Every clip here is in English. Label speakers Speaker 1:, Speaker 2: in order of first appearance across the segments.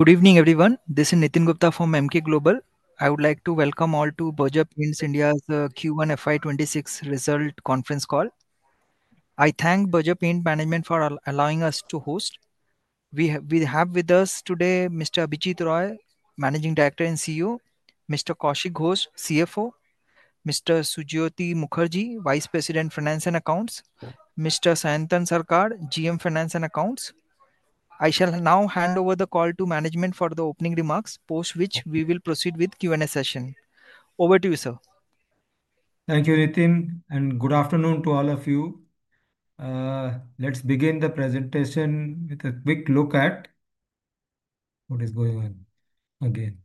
Speaker 1: Good evening, everyone. This is Nitin Gupta from Emkay Global. I would like to welcome all to Berger Paints India's Q1 FY26 result conference call. I thank Berger Paints management for allowing us to host. We have with us today Mr. Abhijit Roy, Managing Director and CEO, Mr. Kaushik Ghosh, CFO, Mr. Sujyoti Mukherjee, Vice President, Finance and Accounts, and Mr. Sanathan Sarkar, General Manager, Finance and Accounts. I shall now hand over the call to management for the opening remarks, after which we will proceed with the Q&A session. Over to you, sir.
Speaker 2: Thank you, Nitin, and good afternoon to all of you. Let's begin the presentation with a quick look at what is going on again.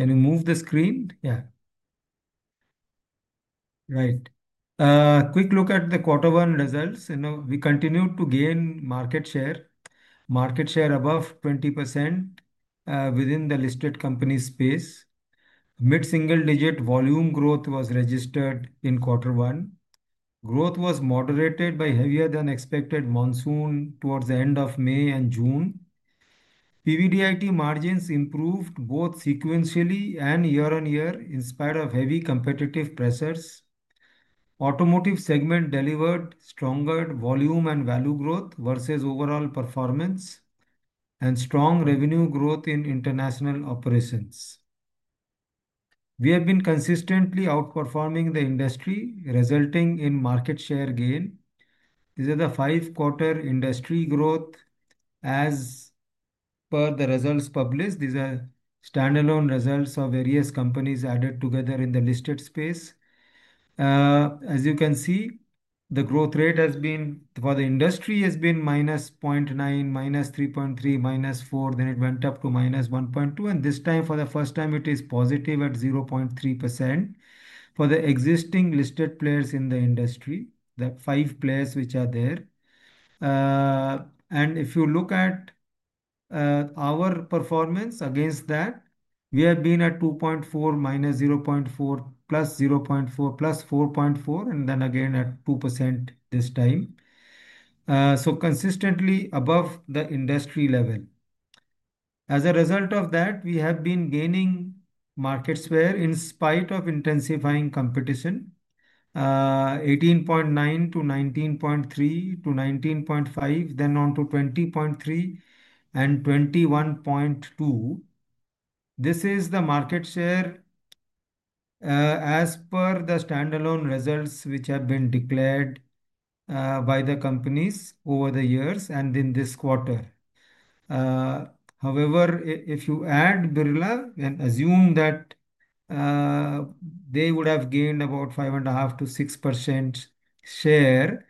Speaker 2: Can you move the screen? Yeah. Right. A quick look at the quarter one results. You know, we continue to gain market share, market share above 20% within the listed company space. Mid-single-digit volume growth was registered in quarter one. Growth was moderated by heavier than expected monsoon towards the end of May and June. PBDIT margins improved both sequentially and year-on-year in spite of heavy competitive pressures. Automotive segment delivered stronger volume and value growth versus overall performance and strong revenue growth in international operations. We have been consistently outperforming the industry, resulting in market share gain. These are the five-quarter industry growth as per the results published. These are standalone results of various companies added together in the listed space. As you can see, the growth rate for the industry has been -0.9%, -3.3%, -4%. It went up to -1.2%. This time, for the first time, it is positive at 0.3% for the existing listed players in the industry, the five players which are there. If you look at our performance against that, we have been at 2.4%, -0.4%, +0.4%, +4.4%, and then again at 2% this time. Consistently above the industry level. As a result of that, we have been gaining market share in spite of intensifying competition, 18.9% to 19.3% to 19.5%, then on to 20.3% and 21.2%. This is the market share as per the standalone results which have been declared by the companies over the years and in this quarter. However, if you add Birla and assume that they would have gained about 5.5% to 6% share,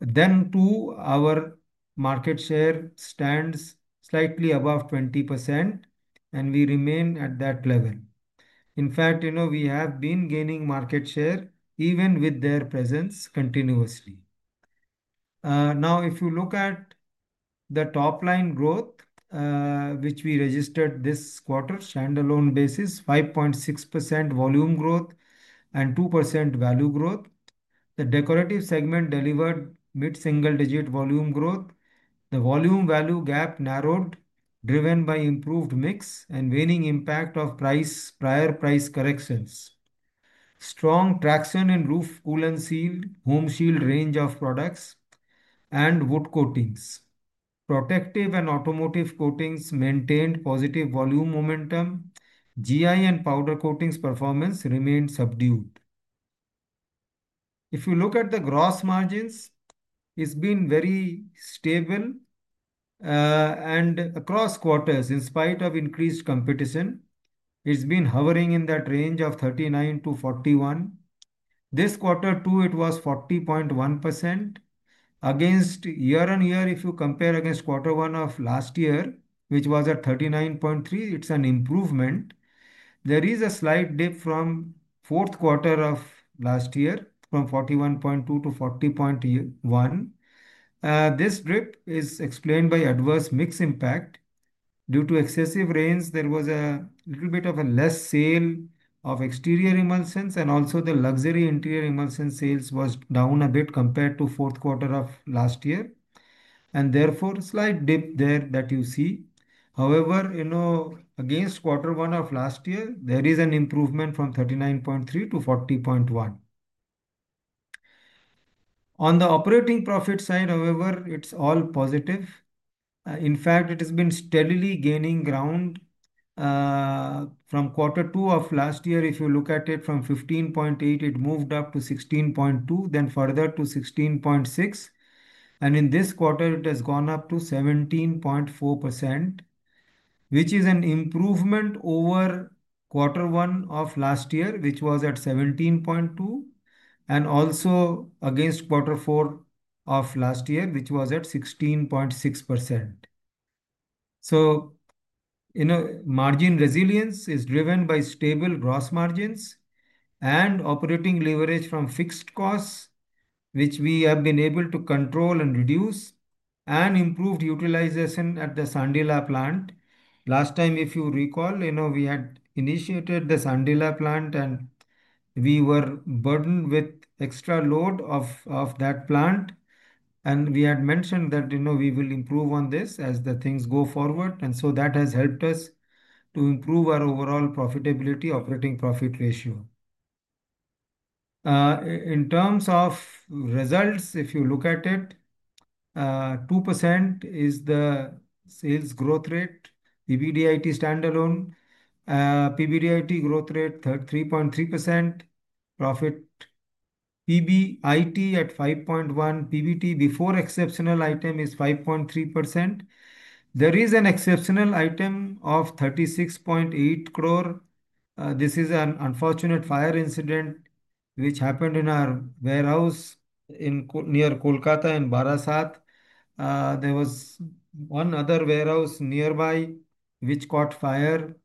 Speaker 2: then too, our market share stands slightly above 20%, and we remain at that level. In fact, you know, we have been gaining market share even with their presence continuously. If you look at the top-line growth, which we registered this quarter, standalone basis, 5.6% volume growth and 2% value growth, the decorative segment delivered mid-single-digit volume growth. The volume-value gap narrowed, driven by improved mix and waning impact of prior price corrections. Strong traction in Roof Kool and Seal, home shield range of products, and wood coatings. Protective and automotive coatings maintained positive volume momentum. GI and powder coatings' performance remained subdued. If you look at the gross margins, it's been very stable and across quarters, in spite of increased competition, it's been hovering in that range of 39%-41%. This quarter too, it was 40.1%. Against year-on-year, if you compare against quarter one of last year, which was at 39.3%, it's an improvement. There is a slight dip from the fourth quarter of last year from 41.2% to 40.1%. This dip is explained by adverse mix impact. Due to excessive rains, there was a little bit of a less sale of exterior emulsions, and also the luxury interior emulsion sales were down a bit compared to the fourth quarter of last year. Therefore, a slight dip there that you see. However, you know, against quarter one of last year, there is an improvement from 39.3% to 40.1%. On the operating profit side, however, it's all positive. In fact, it has been steadily gaining ground. From quarter two of last year, if you look at it from 15.8%, it moved up to 16.2%, then further to 16.6%. In this quarter, it has gone up to 17.4%, which is an improvement over quarter one of last year, which was at 17.2%, and also against quarter four of last year, which was at 16.6%. Margin resilience is driven by stable gross margins and operating leverage from fixed costs, which we have been able to control and reduce, and improved utilization at the Sandila plant. Last time, if you recall, we had initiated the Sandila plant, and we were burdened with the extra load of that plant. We had mentioned that we will improve on this as things go forward. That has helped us to improve our overall profitability, operating profit ratio. In terms of results, if you look at it, 2% is the sales growth rate, PBDIT standalone. PBDIT growth rate is 3.3%. Profit PBIT at 5.1%. PBT before exceptional item is 5.3%. There is an exceptional item of 36.8 crore. This is an unfortunate fire incident which happened in our warehouse near Kolkata in Barasat. There was one other warehouse nearby which caught fire.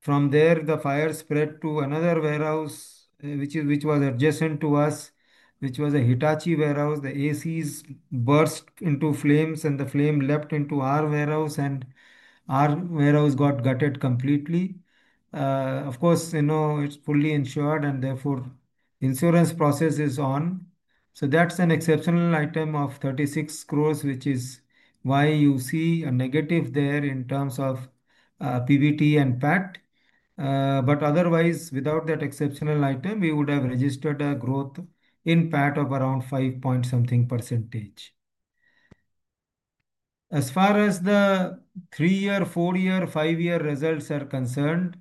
Speaker 2: From there, the fire spread to another warehouse, which was adjacent to us, which was a Hitachi warehouse. The ACs burst into flames, and the flame leapt into our warehouse, and our warehouse got gutted completely. Of course, it's fully insured, and therefore, the insurance process is on. That's an exceptional item of 36 crore, which is why you see a negative there in terms of PBT and PAT. Otherwise, without that exceptional item, we would have registered a growth in PAT of around 5% something. As far as the 3-year, 4-year, 5-year results are concerned,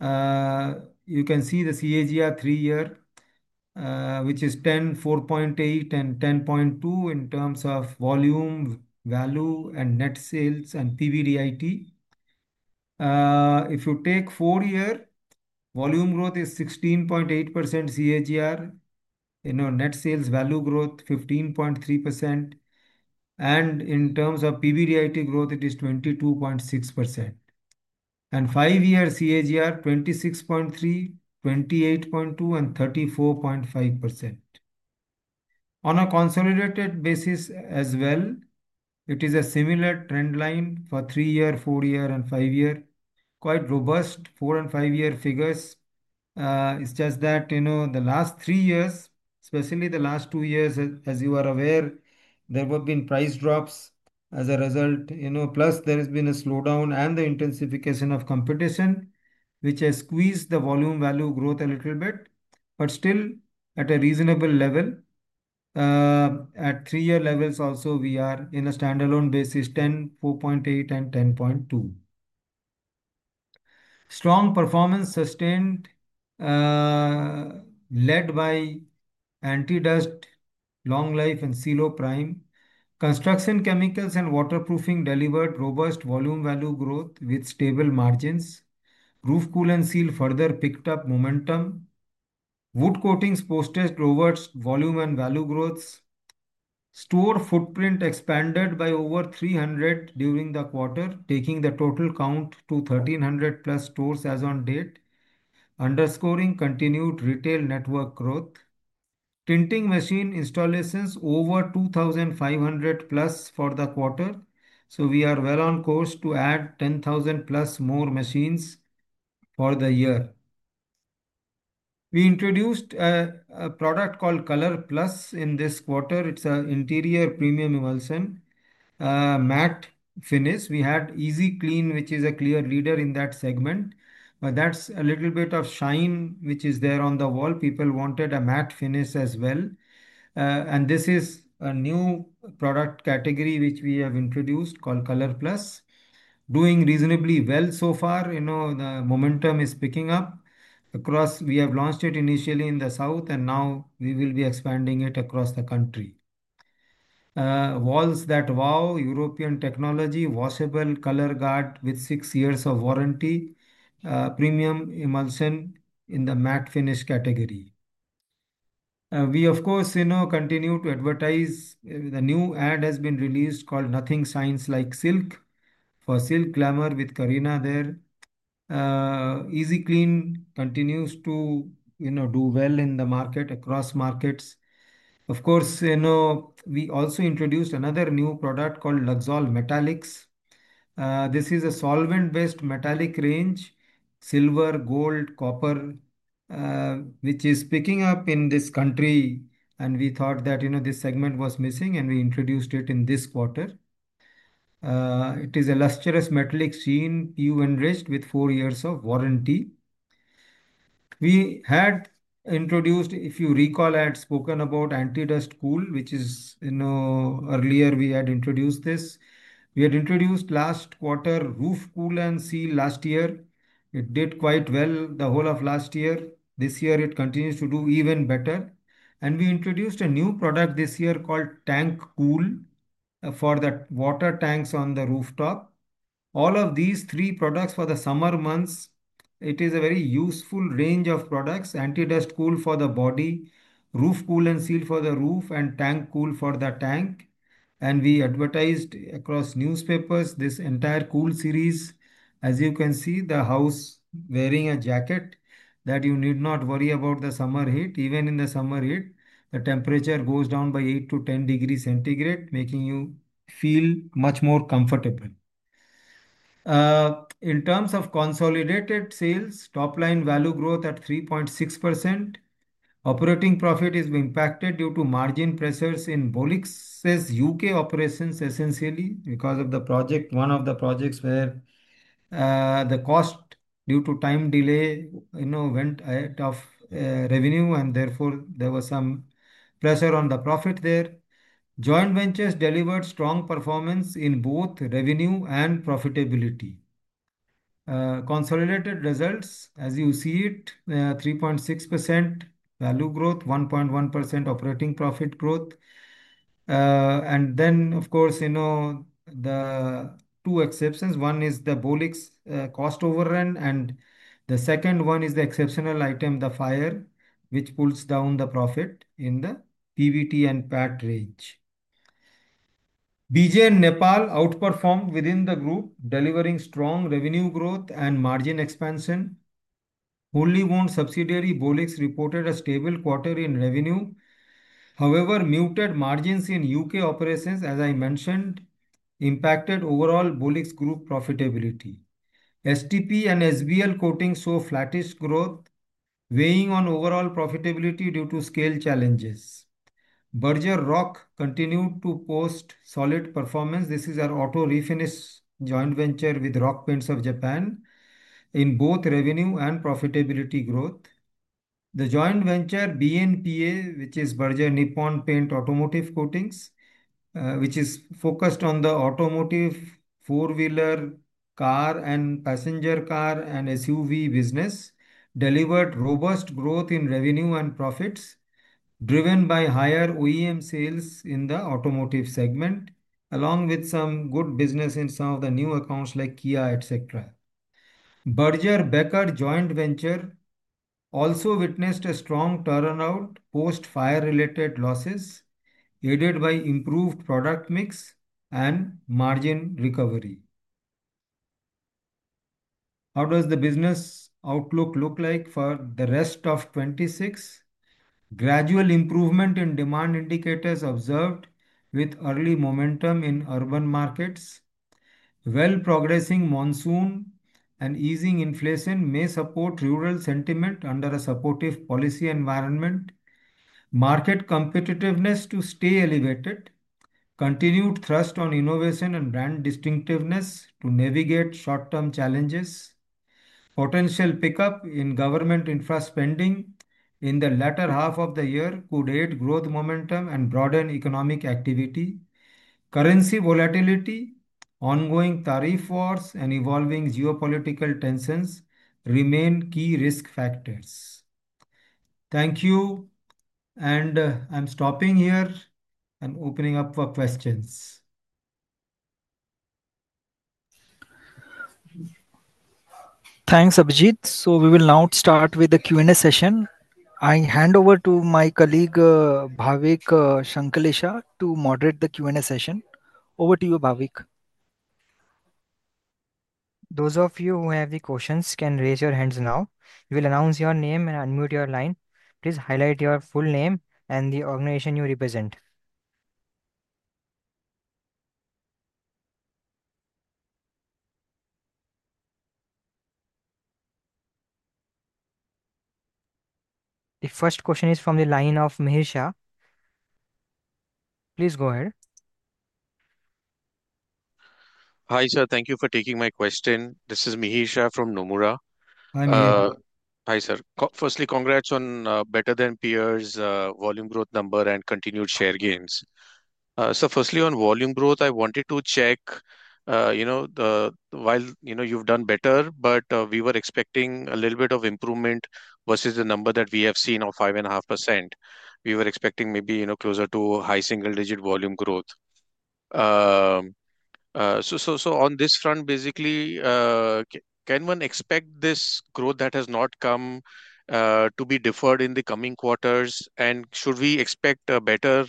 Speaker 2: you can see the CAGR 3-year, which is 10.8%, 4.8%, and 10.2% in terms of volume, value, and net sales and PBDIT. If you take 4-year, volume growth is 16.8% CAGR, net sales value growth 15.3%, and in terms of PBDIT growth, it is 22.6%. The 5-year CAGR is 26.3%, 28.2%, and 34.5%. On a consolidated basis as well, it is a similar trend line for 3-year, 4-year, and 5-year. Quite robust 4 and 5-year figures. It is just that the last 3 years, especially the last 2 years, as you are aware, there have been price drops as a result. Plus, there has been a slowdown and the intensification of competition, which has squeezed the volume-value growth a little bit, but still at a reasonable level. At 3-year levels also, we are in a standalone basis 10%, 4.8%, and 10.2%. Strong performance sustained, led by Anti Dust, Long Life, and Seal-O-Prime. Construction chemicals and waterproofing delivered robust volume-value growth with stable margins. Roof Kool, and Seal further picked up momentum. Wood coatings posted robust volume and value growths. Store footprint expanded by over 300 during the quarter, taking the total count to 1,300+ stores as on date, underscoring continued retail network growth. Tinting machine installations over 2,500+ for the quarter. We are well on course to add 10,000+ more machines for the year. We introduced a product called Kolor Plus in this quarter. It is an interior premium emulsion, a matte finish. We had Easy Clean, which is a clear leader in that segment. That is a little bit of shine, which is there on the wall. People wanted a matte finish as well. This is a new product category which we have introduced called Kolor Plus, doing reasonably well so far. The momentum is picking up across. We have launched it initially in the South, and now we will be expanding it across the country. Walls that wow, European technology, washable color guard with six years of warranty, premium emulsion in the matte finish category. We, of course, continue to advertise. The new ad has been released called Nothing Shines Like Silk for Silk Glamour with Kareena there. Easy Clean continues to do well in the market across markets. We also introduced another new product called Luxol Metallics. This is a solvent-based metallic range, silver, gold, copper, which is picking up in this country. We thought that, you know, this segment was missing, and we introduced it in this quarter. It is a lustrous metallic sheen, PU enriched with four years of warranty. We had introduced, if you recall, I had spoken about Anti Dust Kool, which is, you know, earlier we had introduced this. We had introduced last quarter Roof Kool and Seal last year. It did quite well the whole of last year. This year, it continues to do even better. We introduced a new product this year called Tank Kool for the water tanks on the rooftop. All of these three products for the summer months, it is a very useful range of products: Anti Dust Kool for the body, Roof Kool and Seal for the roof, and Tank Kool for the tank. We advertised across newspapers this entire Kool series. As you can see, the house wearing a jacket that you need not worry about the summer heat. Even in the summer heat, the temperature goes down by 8-10 degrees centigrade, making you feel much more comfortable. In terms of consolidated sales, top-line value growth at 3.6%. Operating profit is impacted due to margin pressures in Bolix's U.K. operations, essentially because of the project. One of the projects where the cost due to time delay, you know, went out of revenue, and therefore, there was some pressure on the profit there. Joint ventures delivered strong performance in both revenue and profitability. Consolidated results, as you see it, 3.6% value growth, 1.1% operating profit growth. Of course, you know, the two exceptions. One is the Bolix cost overrun, and the second one is the exceptional item, the fire, which pulls down the profit in the PBT and PAT range. BJ and Nepal outperformed within the group, delivering strong revenue growth and margin expansion. Only one subsidiary, Bolix, reported a stable quarter in revenue. However, muted margins in U.K. operations, as I mentioned, impacted overall Bolix Group profitability. STP and SBL coatings show flattish growth, weighing on overall profitability due to scale challenges. Berger Rock continued to post solid performance. This is our auto refinish joint venture with Rock Paint of Japan in both revenue and profitability growth. The joint venture BNPA, which is Berger Nippon Paint Automotive Coatings, which is focused on the automotive, four-wheeler car, and passenger car and SUV business, delivered robust growth in revenue and profits, driven by higher OEM sales in the automotive segment, along with some good business in some of the new accounts like Kia, etc. Berger Becker joint venture also witnessed a strong turnout post-fire-related losses, aided by improved product mix and margin recovery. How does the business outlook look like for the rest of 2026? Gradual improvement in demand indicators observed with early momentum in urban markets. A progressing monsoon and easing inflation may support rural sentiment under a supportive policy environment. Market competitiveness to stay elevated. Continued thrust on innovation and brand distinctiveness to navigate short-term challenges. Potential pickup in government infra spending in the latter half of the year could aid growth momentum and broaden economic activity. Currency volatility, ongoing tariff wars, and evolving geopolitical tensions remain key risk factors. Thank you, and I'm stopping here. I'm opening up for questions.
Speaker 1: Thanks, Abhijit. We will now start with the Q&A session. I hand over to my colleague, Bhavik Shanklesha, to moderate the Q&A session. Over to you, Bhavik.
Speaker 3: Those of you who have questions can raise your hands now. We'll announce your name and unmute your line. Please highlight your full name and the organization you represent. The first question is from the line of Mihir Shah. Please go ahead.
Speaker 4: Hi, sir. Thank you for taking my question. This is Mihir Shah from Nomura.
Speaker 1: Hi, Mihir.
Speaker 4: Hi, sir. Firstly, congrats on better than peers' volume growth number and continued share gains. On volume growth, I wanted to check, while you've done better, we were expecting a little bit of improvement versus the number that we have seen of 5.5%. We were expecting maybe closer to high single-digit volume growth. On this front, can one expect this growth that has not come to be deferred in the coming quarters? Should we expect a better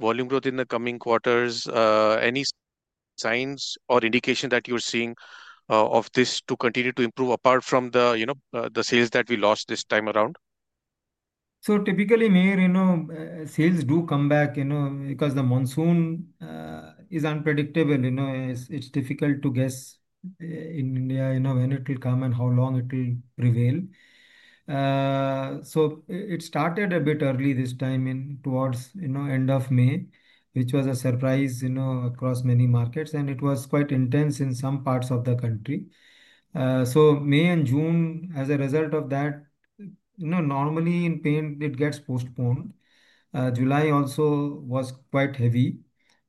Speaker 4: volume growth in the coming quarters? Any signs or indication that you're seeing of this to continue to improve apart from the sales that we lost this time around?
Speaker 2: Typically, Mihir, you know, sales do come back, you know, because the monsoon is unpredictable. It's difficult to guess in India, you know, when it will come and how long it will prevail. It started a bit early this time towards the end of May, which was a surprise across many markets, and it was quite intense in some parts of the country. May and June, as a result of that, you know, normally in paint, it gets postponed. July also was quite heavy.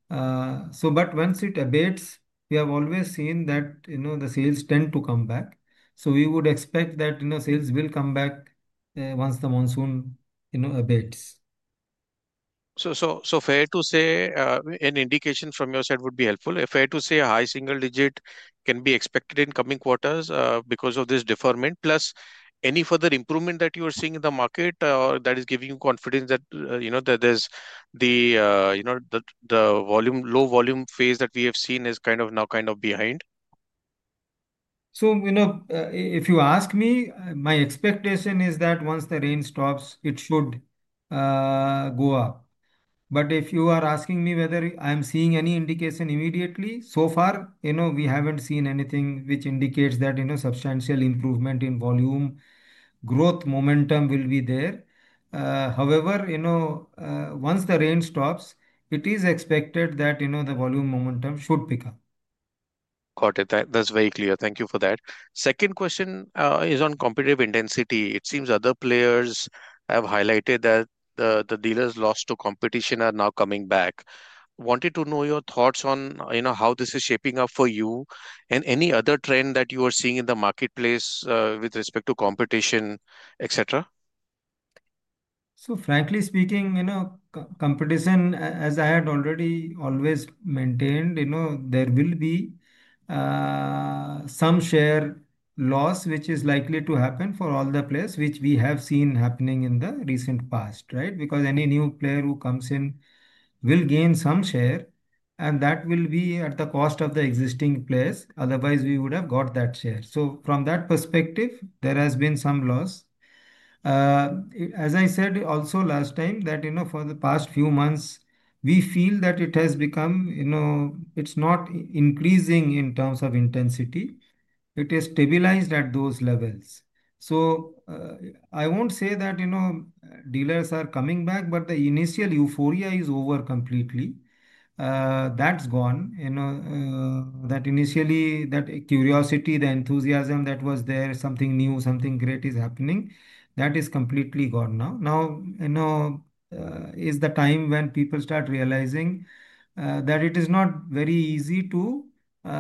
Speaker 2: Once it abates, we have always seen that, you know, the sales tend to come back. We would expect that, you know, sales will come back once the monsoon abates.
Speaker 4: An indication from your side would be helpful. Fair to say a high single-digit can be expected in coming quarters because of this deferment. Plus, any further improvement that you're seeing in the market or that is giving you confidence that the low volume phase that we have seen is kind of now behind?
Speaker 2: If you ask me, my expectation is that once the rain stops, it should go up. If you are asking me whether I'm seeing any indication immediately, so far, we haven't seen anything which indicates that substantial improvement in volume growth momentum will be there. However, once the rain stops, it is expected that the volume momentum should pick up.
Speaker 4: Got it. That's very clear. Thank you for that. Second question is on competitive intensity. It seems other players have highlighted that the dealers lost to competition are now coming back. Wanted to know your thoughts on, you know, how this is shaping up for you and any other trend that you are seeing in the marketplace with respect to competition, etc.
Speaker 2: Frankly speaking, competition, as I had already always maintained, there will be some share loss, which is likely to happen for all the players, which we have seen happening in the recent past, right? Because any new player who comes in will gain some share, and that will be at the cost of the existing players. Otherwise, we would have got that share. From that perspective, there has been some loss. As I said also last time, for the past few months, we feel that it has become, it's not increasing in terms of intensity. It has stabilized at those levels. I won't say that dealers are coming back, but the initial euphoria is over completely. That's gone. That initially, that curiosity, the enthusiasm that was there, something new, something great is happening. That is completely gone now. Now is the time when people start realizing that it is not very easy to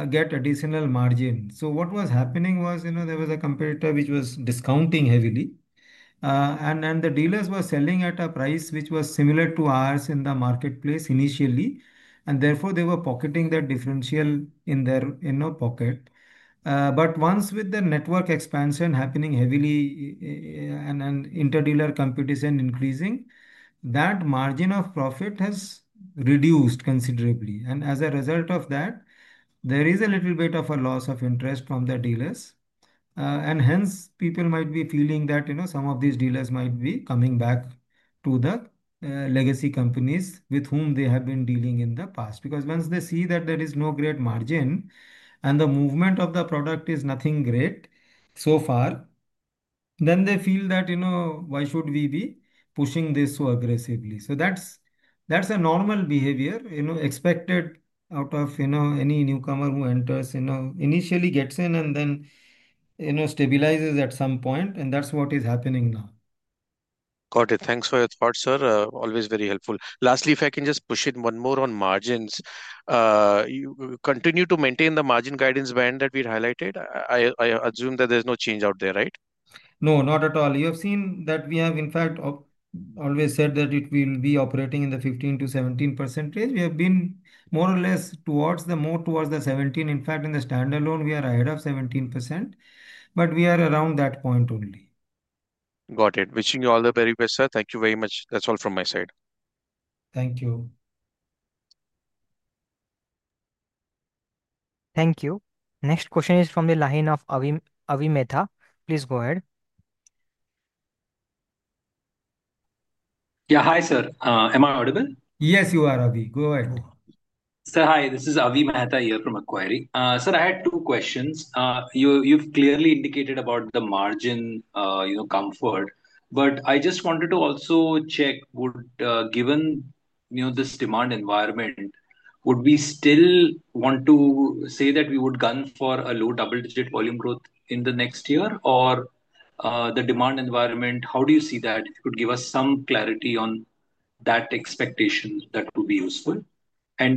Speaker 2: get additional margin. What was happening was, there was a competitor which was discounting heavily. Then the dealers were selling at a price which was similar to ours in the marketplace initially, and therefore, they were pocketing that differential in their pocket. Once with the network expansion happening heavily and inter-dealer competition increasing, that margin of profit has reduced considerably. As a result of that, there is a little bit of a loss of interest from the dealers. Hence, people might be feeling that some of these dealers might be coming back to the legacy companies with whom they had been dealing in the past. Once they see that there is no great margin and the movement of the product is nothing great so far, then they feel that, why should we be pushing this so aggressively? That's a normal behavior expected out of any newcomer who enters, initially gets in and then stabilizes at some point. That's what is happening now.
Speaker 4: Got it. Thanks for your thoughts, sir. Always very helpful. Lastly, if I can just push in one more on margins. You continue to maintain the margin guidance band that we highlighted. I assume that there's no change out there, right?
Speaker 2: No, not at all. You have seen that we have, in fact, always said that it will be operating in the 15%-17% range. We have been more or less towards the 17%. In fact, in the standalone, we are ahead of 17%. We are around that point only.
Speaker 4: Got it. Wishing you all the very best, sir. Thank you very much. That's all from my side.
Speaker 2: Thank you.
Speaker 3: Thank you. Next question is from the line of Avi Mehta. Please go ahead.
Speaker 5: Yeah, hi, sir. Am I audible?
Speaker 2: Yes, you are, Avi. Go ahead.
Speaker 5: Sir, hi. This is Avi Mehta here from Macquarie. Sir, I had two questions. You've clearly indicated about the margin, you know, comfort. I just wanted to also check, would given, you know, this demand environment, would we still want to say that we would gun for a low double-digit volume growth in the next year or the demand environment? How do you see that? It would give us some clarity on that expectation, that would be useful.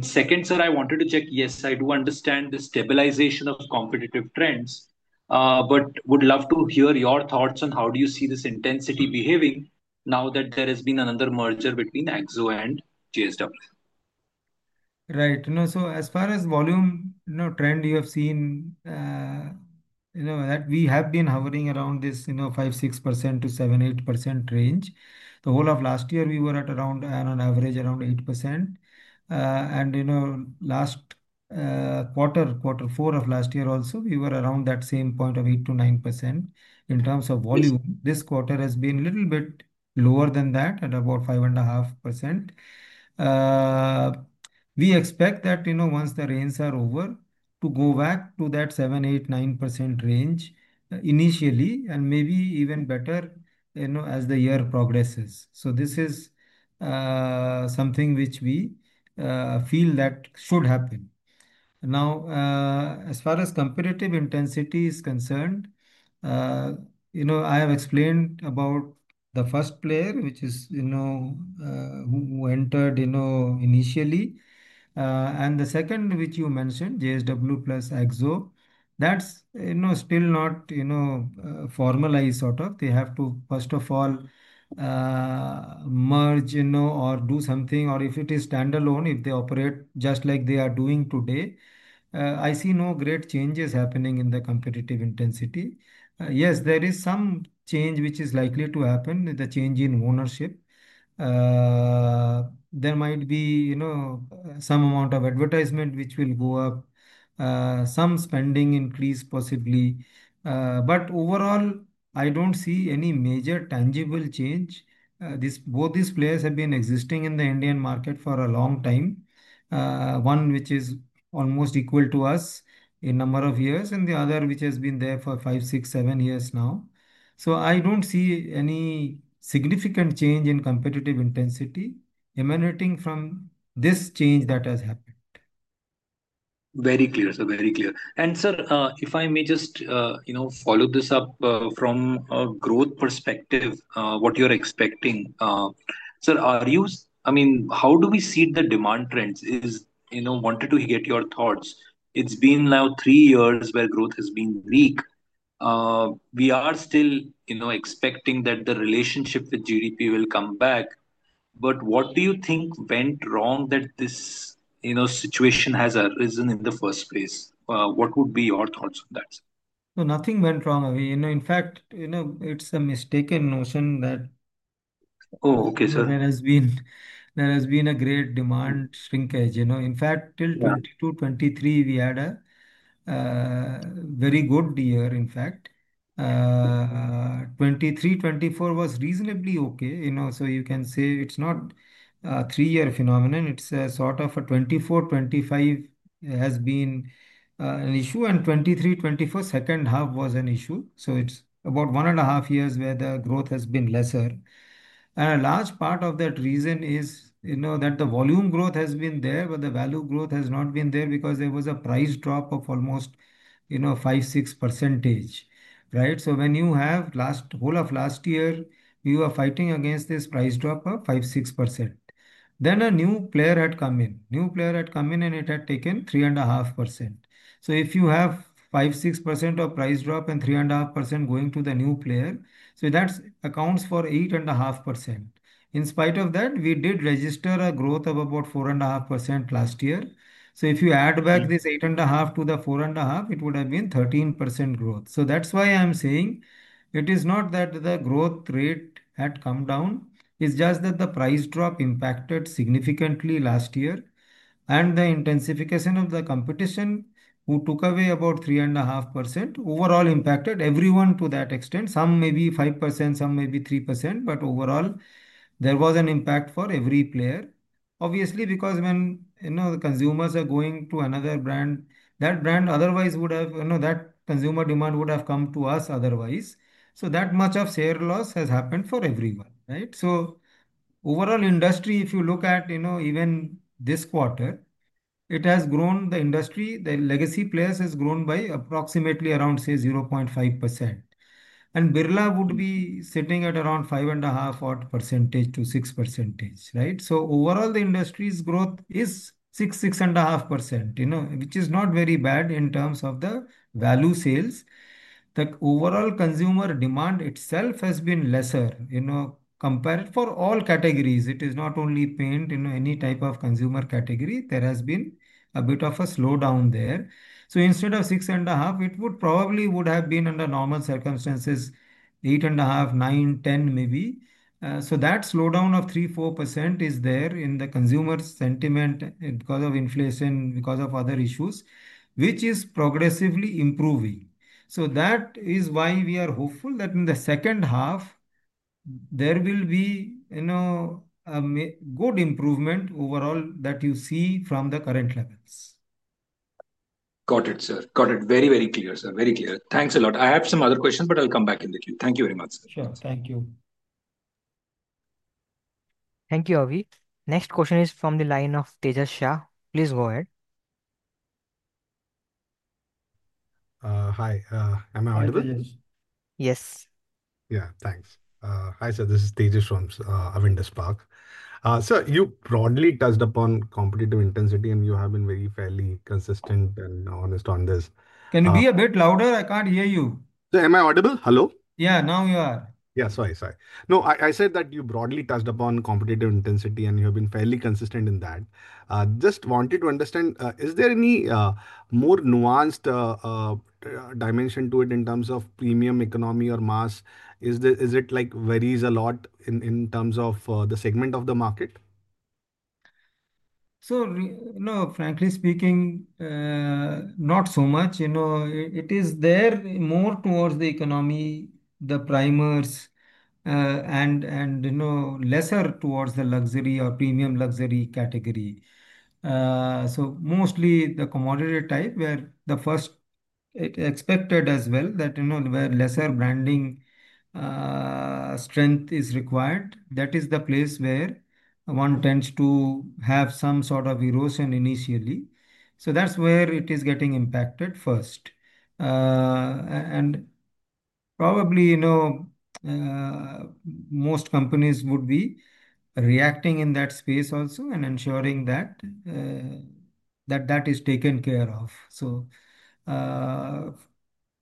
Speaker 5: Second, sir, I wanted to check, yes, I do understand the stabilization of competitive trends, but would love to hear your thoughts on how do you see this intensity behaving now that there has been another merger between Akzo and JSW?
Speaker 2: Right. No. As far as volume, you know, trend you have seen, you know, that we have been hovering around this 5%, 6%-7%, 8% range. The whole of last year, we were at around, and on average, around 8%. Last quarter, quarter four of last year also, we were around that same point of 8%-9% in terms of volume. This quarter has been a little bit lower than that at about 5.5%. We expect that, you know, once the rains are over, to go back to that 7%, 8%, 9% range initially, and maybe even better, you know, as the year progresses. This is something which we feel that should happen. Now, as far as competitive intensity is concerned, I have explained about the first player, which is, you know, who entered, you know, initially. The second, which you mentioned, JSW plus Akzo, that's, you know, still not, you know, formalized sort of. They have to, first of all, merge, or do something, or if it is standalone, if they operate just like they are doing today, I see no great changes happening in the competitive intensity. Yes, there is some change which is likely to happen, the change in ownership. There might be some amount of advertisement which will go up, some spending increase, possibly. Overall, I don't see any major tangible change. Both these players have been existing in the Indian market for a long time, one which is almost equal to us in a number of years, and the other which has been there for 5, 6, 7 years now. I don't see any significant change in competitive intensity emanating from this change that has happened.
Speaker 5: Very clear. Sir, if I may just follow this up from a growth perspective, what you're expecting, sir, are you, I mean, how do we see the demand trends? Wanted to get your thoughts. It's been now three years where growth has been weak. We are still expecting that the relationship with GDP will come back. What do you think went wrong that this situation has arisen in the first place? What would be your thoughts on that?
Speaker 2: No, nothing went wrong, Avi. In fact, it's a mistaken notion that.
Speaker 5: Oh, okay, sir.
Speaker 2: There has been a great demand shrinkage. In fact, till 2022–2023, we had a very good year. In fact, 2023–2024 was reasonably okay. You can say it's not a three-year phenomenon. It's a sort of a 2024–2025 has been an issue, and 2023–2024 second half was an issue. It's about one and a half years where the growth has been lesser. A large part of that reason is that the volume growth has been there, but the value growth has not been there because there was a price drop of almost 5%, 6%, right? When you have the whole of last year, you are fighting against this price drop of 5%, 6%. Then a new player had come in. A new player had come in, and it had taken 3.5%. If you have 5%, 6% of price drop and 3.5% going to the new player, that accounts for 8.5%. In spite of that, we did register a growth of about 4.5% last year. If you add back this 8.5% to the 4.5%, it would have been 13% growth. That's why I'm saying it is not that the growth rate had come down. It's just that the price drop impacted significantly last year, and the intensification of the competition, who took away about 3.5%, overall impacted everyone to that extent. Some may be 5%, some may be 3%, but overall, there was an impact for every player. Obviously, because when the consumers are going to another brand, that brand otherwise would have, that consumer demand would have come to us otherwise. That much of share loss has happened for everyone, right? Overall industry, if you look at even this quarter, it has grown, the industry, the legacy players have grown by approximately around, say, 0.5%. Birla would be sitting at around 5.5%-6%, right? Overall, the industry's growth is 6%, 6.5%, which is not very bad in terms of the value sales. The overall consumer demand itself has been lesser compared for all categories. It is not only paint, any type of consumer category. There has been a bit of a slowdown there. Instead of 6.5%, it would probably have been, under normal circumstances, 8.5%, 9%, 10% maybe. That slowdown of 3%, 4% is there in the consumer sentiment because of inflation, because of other issues, which is progressively improving. That is why we are hopeful that in the second half, there will be a good improvement overall that you see from the current levels.
Speaker 5: Got it, sir. Very, very clear, sir. Very clear. Thanks a lot. I have some other questions, but I'll come back in a few. Thank you very much.
Speaker 2: Sure. Thank you.
Speaker 3: Thank you, Avit. Next question is from the line of Tejas Shah. Please go ahead.
Speaker 6: Hi, am I audible?
Speaker 1: Yes.
Speaker 6: Yeah, thanks. Hi, sir. This is Tejas Shah from Avendus Spark. Sir, you broadly touched upon competitive intensity, and you have been very fairly consistent and honest on this.
Speaker 2: Can you be a bit louder? I can't hear you.
Speaker 6: Sir, am I audible? Hello?
Speaker 2: Yeah, now you are.
Speaker 6: No, I said that you broadly touched upon competitive intensity, and you have been fairly consistent in that. Just wanted to understand, is there any more nuanced dimension to it in terms of premium, economy, or mass? Is it like varies a lot in terms of the segment of the market?
Speaker 2: No, frankly speaking, not so much. It is there more towards the economy, the primers, and lesser towards the luxury or premium luxury category. Mostly the commodity type where first, it's expected as well that where lesser branding strength is required, that is the place where one tends to have some sort of erosion initially. That's where it is getting impacted first. Probably most companies would be reacting in that space also and ensuring that is taken care of.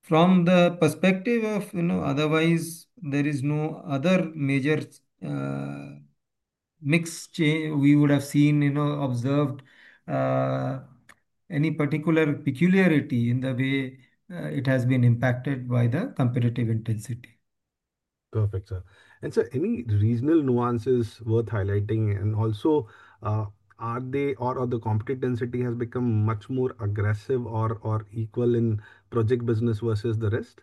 Speaker 2: From the perspective of otherwise, there is no other major mix change we would have seen or observed, any particular peculiarity in the way it has been impacted by the competitive intensity.
Speaker 6: Perfect, sir. Sir, any regional nuances worth highlighting? Also, has the competitive density become much more aggressive or equal in project business versus the rest?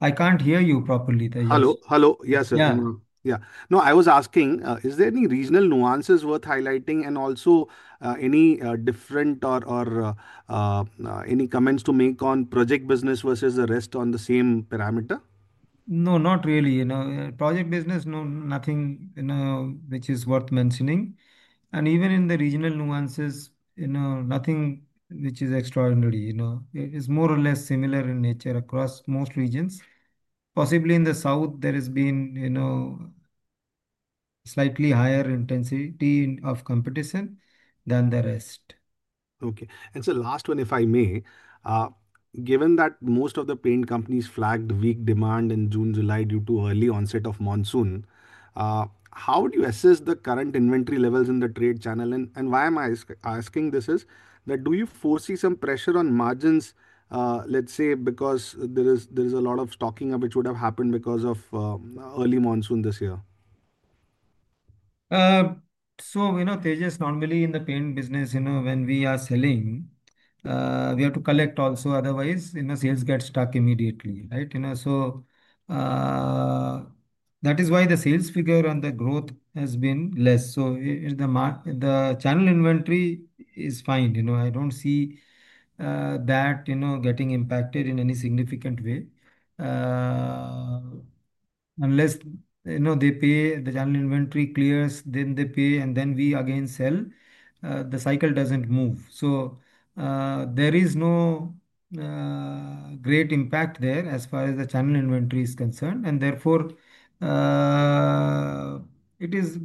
Speaker 2: I can't hear you properly, Tejas.
Speaker 6: Hello? Yes, sir. Yeah. No, I was asking, is there any regional nuances worth highlighting, and also any different or any comments to make on project business versus the rest on the same parameter?
Speaker 2: No, not really. Project business, nothing which is worth mentioning. Even in the regional nuances, nothing which is extraordinary. It's more or less similar in nature across most regions. Possibly in the south, there has been slightly higher intensity of competition than the rest.
Speaker 6: Okay. Sir, last one, if I may, given that most of the paint companies flagged weak demand in June, July due to early onset of monsoon, how would you assess the current inventory levels in the trade channel? Why am I asking this is that do you foresee some pressure on margins, let's say, because there is a lot of stocking up which would have happened because of early monsoon this year?
Speaker 2: You know, Tejas, normally in the paint business, when we are selling, we have to collect also. Otherwise, sales get stuck immediately, right? That is why the sales figure on the growth has been less. The channel inventory is fine. I don't see that getting impacted in any significant way. Unless they pay, the channel inventory clears, then they pay, and then we again sell, the cycle doesn't move. There is no great impact there as far as the channel inventory is concerned. Therefore, it is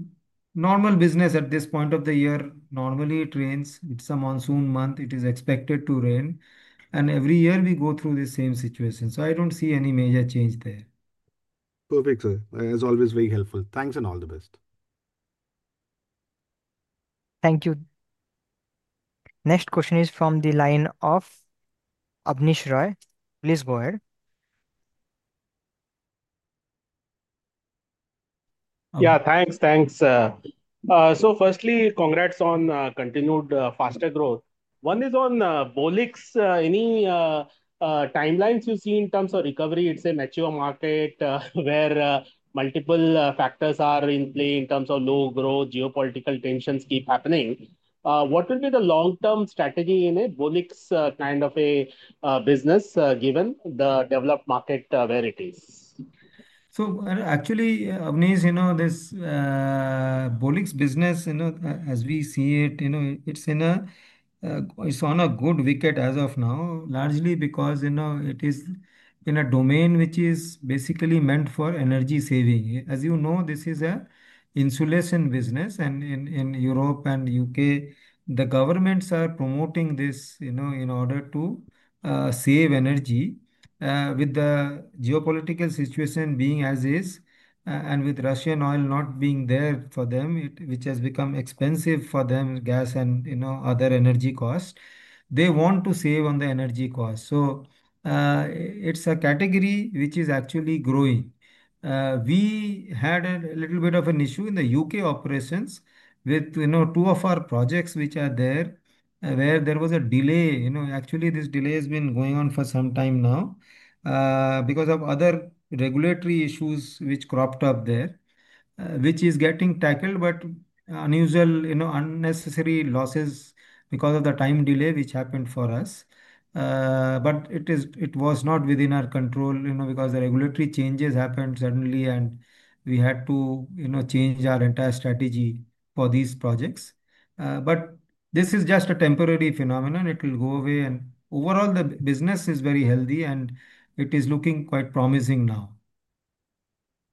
Speaker 2: normal business at this point of the year. Normally, it rains. It's a monsoon month. It is expected to rain, and every year, we go through the same situation. I don't see any major change there.
Speaker 6: Perfect, sir. As always, very helpful. Thanks and all the best.
Speaker 3: Thank you. Next question is from the line of Abneesh Roy. Please go ahead.
Speaker 7: Thanks. Firstly, congrats on continued faster growth. One is on Bolix. Any timelines you see in terms of recovery? It's a natural market where multiple factors are in play in terms of low growth. Geopolitical tensions keep happening. What will be the long-term strategy in a Bolix kind of a business given the developed market where it is?
Speaker 2: Actually, Abneesh, you know, this Bolix business, you know, as we see it, you know, it's on a good wicket as of now, largely because, you know, it is in a domain which is basically meant for energy saving. As you know, this is an insulation business. In Europe and the U.K., the governments are promoting this, you know, in order to save energy. With the geopolitical situation being as is, and with Russian oil not being there for them, which has become expensive for them, gas and, you know, other energy costs, they want to save on the energy cost. It's a category which is actually growing. We had a little bit of an issue in the UK operations with, you know, two of our projects which are there, where there was a delay. Actually, this delay has been going on for some time now because of other regulatory issues which cropped up there, which is getting tackled, but unusual, unnecessary losses because of the time delay which happened for us. It was not within our control, you know, because the regulatory changes happened suddenly, and we had to, you know, change our entire strategy for these projects. This is just a temporary phenomenon. It will go away. Overall, the business is very healthy, and it is looking quite promising now.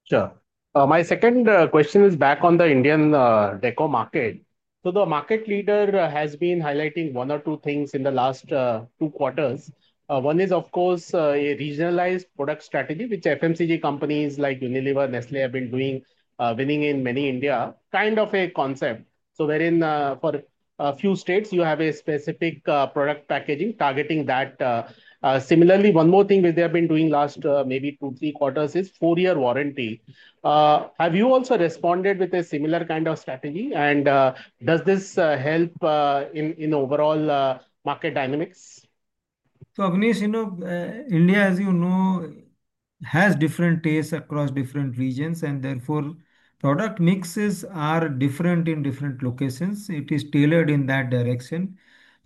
Speaker 7: Sure. My second question is back on the Indian Deco market. The market leader has been highlighting one or two things in the last two quarters. One is, of course, a regionalized product strategy, which FMCG companies like Unilever, Nestlé have been doing, winning in many India, kind of a concept. For a few states, you have a specific product packaging targeting that. Similarly, one more thing that they have been doing last maybe two, three quarters is four-year warranty. Have you also responded with a similar kind of strategy? Does this help in overall market dynamics?
Speaker 2: India, as you know, has different tastes across different regions, and therefore, product mixes are different in different locations. It is tailored in that direction.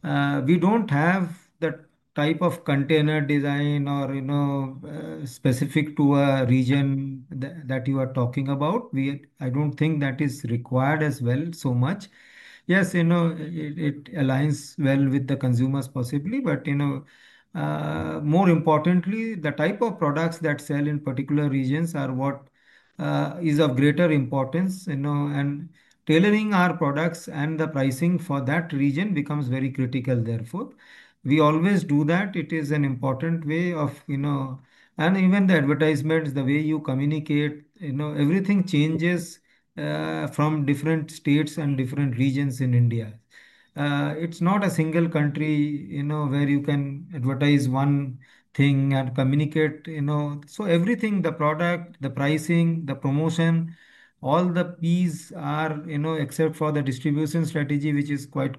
Speaker 2: We don't have the type of container design or, you know, specific to a region that you are talking about. I don't think that is required as well so much. Yes, you know, it aligns well with the consumers possibly, but, you know, more importantly, the type of products that sell in particular regions are what is of greater importance. Tailoring our products and the pricing for that region becomes very critical. Therefore, we always do that. It is an important way of, you know, and even the advertisements, the way you communicate, everything changes from different states and different regions in India. It's not a single country where you can advertise one thing and communicate, you know. Everything, the product, the pricing, the promotion, all the P's are, except for the distribution strategy, which is quite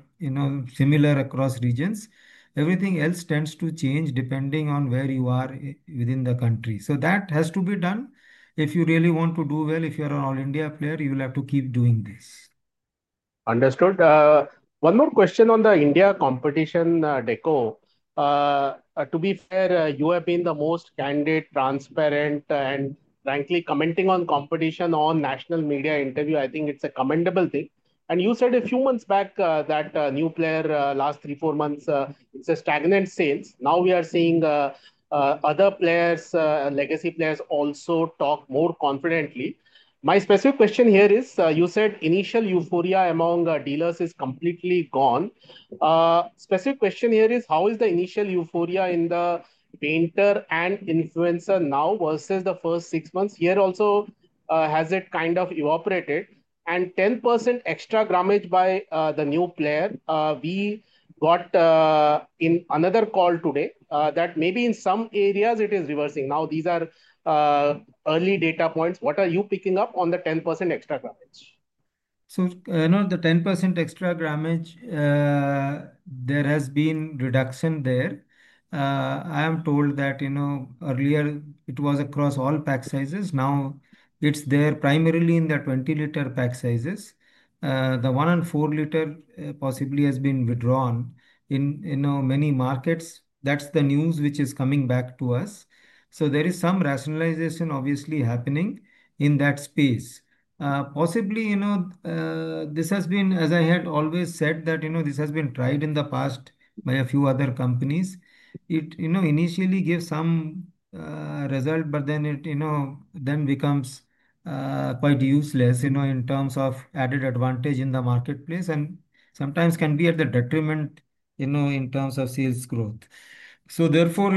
Speaker 2: similar across regions. Everything else tends to change depending on where you are within the country. That has to be done. If you really want to do well, if you're an all-India player, you will have to keep doing this.
Speaker 7: Understood. One more question on the India competition deco. To be fair, you have been the most candid, transparent, and frankly, commenting on competition on national media interview. I think it's a commendable thing. You said a few months back that a new player last three, four months had stagnant sales. Now we are seeing other players, legacy players also talk more confidently. My specific question here is, you said initial euphoria among dealers is completely gone. Specific question here is, how is the initial euphoria in the painter and influencer now versus the first six months? Here also, has it kind of evaporated? 10% extra grammage by the new player. We got in another call today that maybe in some areas it is reversing. Now these are early data points. What are you picking up on the 10% extra grammage?
Speaker 2: The 10% extra grammage, there has been a reduction there. I am told that earlier it was across all pack sizes. Now it's there primarily in the 20-liter pack sizes. The one and four-liter possibly has been withdrawn in many markets. That's the news which is coming back to us. There is some rationalization obviously happening in that space. Possibly, as I had always said, this has been tried in the past by a few other companies. It initially gives some result, but then it becomes quite useless in terms of added advantage in the marketplace and sometimes can be at the detriment in terms of sales growth. Therefore,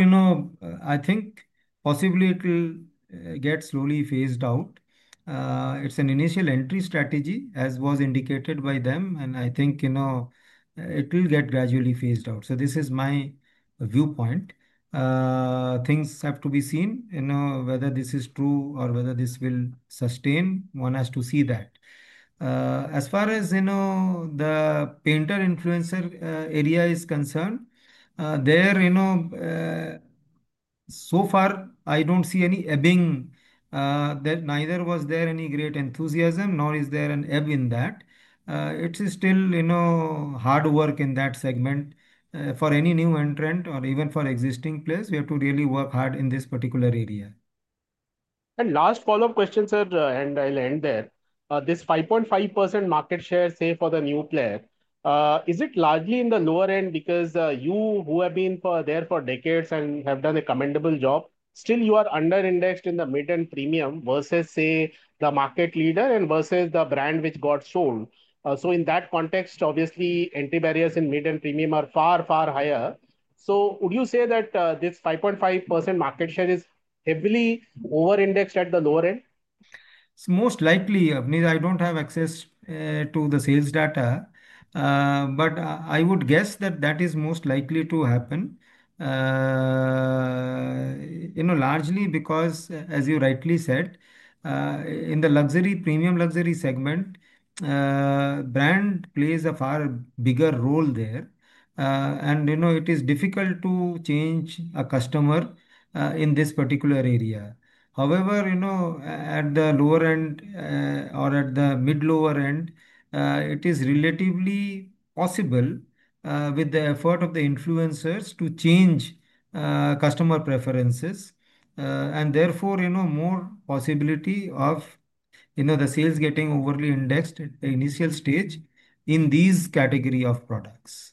Speaker 2: I think possibly it will get slowly phased out. It's an initial entry strategy, as was indicated by them. I think it will get gradually phased out. This is my viewpoint. Things have to be seen, whether this is true or whether this will sustain. One has to see that. As far as the painter-influencer area is concerned, so far, I don't see any ebbing. Neither was there any great enthusiasm, nor is there an ebb in that. It's still hard work in that segment. For any new entrant or even for existing players, we have to really work hard in this particular area.
Speaker 7: Last follow-up question, sir, and I'll end there. This 5.5% market share, say, for the new player, is it largely in the lower end because you who have been there for decades and have done a commendable job, still you are under-indexed in the mid-end premium versus, say, the market leader and versus the brand which got shown? In that context, obviously, entry barriers in mid-end premium are far, far higher. Would you say that this 5.5% market share is heavily over-indexed at the lower end?
Speaker 2: It's most likely. I mean, I don't have access to the sales data, but I would guess that that is most likely to happen. Largely because, as you rightly said, in the luxury, premium luxury segment, brand plays a far bigger role there. It is difficult to change a customer in this particular area. However, at the lower end or at the mid-lower end, it is relatively possible with the effort of the influencers to change customer preferences. Therefore, more possibility of the sales getting overly indexed at the initial stage in these categories of products.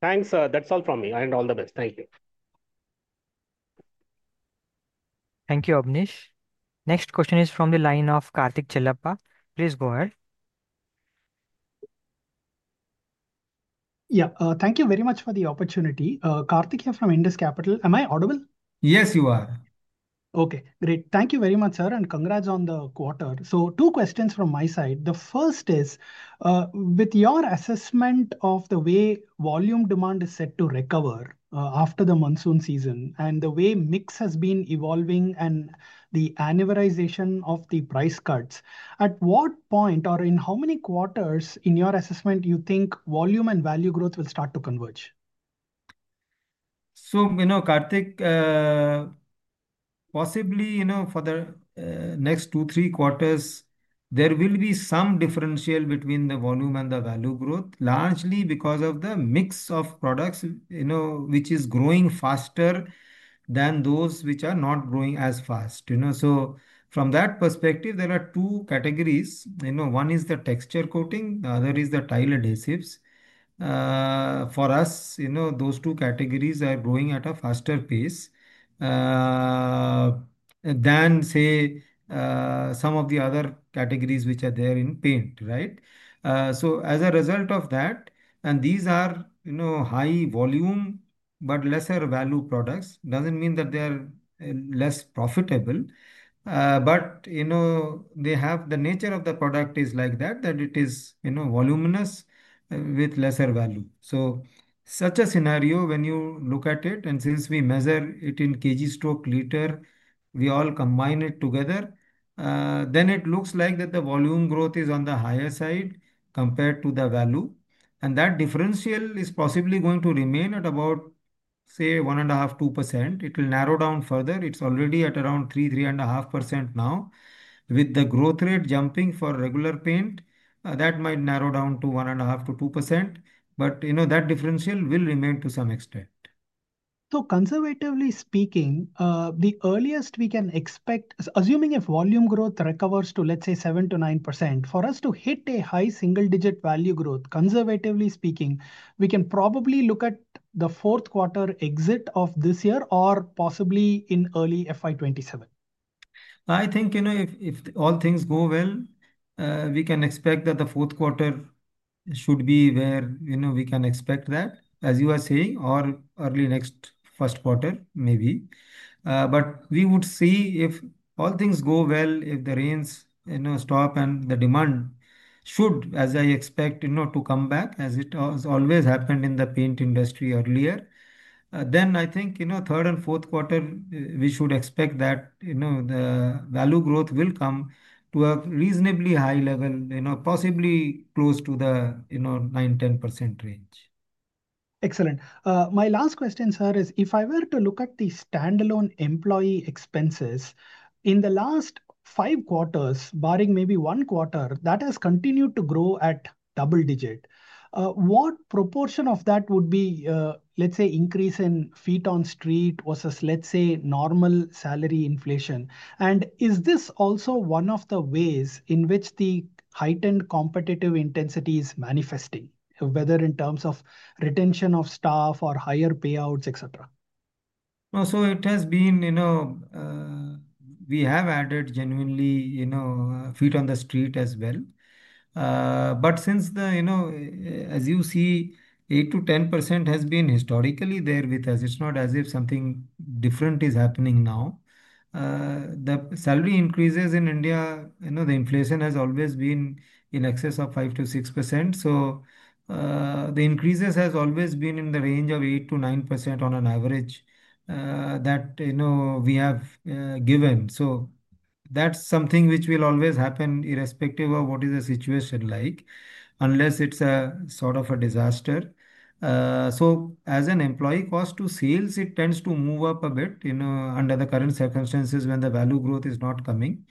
Speaker 7: Thanks, sir. That's all from me. All the best. Thank you.
Speaker 3: Thank you, Abneesh. Next question is from the line of Karthik Chellappa. Please go ahead.
Speaker 8: Thank you very much for the opportunity. Karthik here from Indus Capital. Am I audible?
Speaker 2: Yes, you are.
Speaker 8: Okay, great. Thank you very much, sir, and congrats on the quarter. Two questions from my side. The first is, with your assessment of the way volume demand is set to recover after the monsoon season and the way mix has been evolving and the annualization of the price cuts, at what point or in how many quarters in your assessment do you think volume and value growth will start to converge?
Speaker 2: Karthik, possibly for the next two, three quarters, there will be some differential between the volume and the value growth, largely because of the mix of products which is growing faster than those which are not growing as fast. From that perspective, there are two categories. One is the texture coating, the other is the tile adhesives. For us, those two categories are growing at a faster pace than, say, some of the other categories which are there in paint, right? As a result of that, and these are high volume but lesser value products, doesn't mean that they're less profitable. They have the nature of the product like that, that it is voluminous with lesser value. In such a scenario, when you look at it, and since we measure it in kg/l, we all combine it together, then it looks like the volume growth is on the higher side compared to the value. That differential is possibly going to remain at about, say, 1.5%-2%. It will narrow down further. It's already at around 3%-3.5% now. With the growth rate jumping for regular paint, that might narrow down to 1.5%-2%. That differential will remain to some extent.
Speaker 8: Conservatively speaking, the earliest we can expect, assuming if volume growth recovers to, let's say, 7%-9%, for us to hit a high single-digit value growth, conservatively speaking, we can probably look at the fourth quarter exit of this year or possibly in early FY2027.
Speaker 2: I think if all things go well, we can expect that the fourth quarter should be where we can expect that, as you are saying, or early next first quarter, maybe. We would see if all things go well, if the rains stop and the demand should, as I expect, come back, as it has always happened in the paint industry earlier. I think third and fourth quarter, we should expect that the value growth will come to a reasonably high level, possibly close to the 9%, 10% range.
Speaker 8: Excellent. My last question, sir, is if I were to look at the standalone employee expenses in the last five quarters, barring maybe one quarter, that has continued to grow at double digits, what proportion of that would be, let's say, increase in feet on street versus, let's say, normal salary inflation? Is this also one of the ways in which the heightened competitive intensity is manifesting, whether in terms of retention of staff or higher payouts, etc.?
Speaker 2: It has been, you know, we have added genuinely, you know, feet on the street as well. Since the, you know, as you see, 8%-10% has been historically there with us. It's not as if something different is happening now. The salary increases in India, you know, the inflation has always been in excess of 5%-6%. The increases have always been in the range of 8%-9% on an average that, you know, we have given. That's something which will always happen irrespective of what is the situation like, unless it's a sort of a disaster. As an employee cost to sales, it tends to move up a bit, you know, under the current circumstances when the value growth is not coming.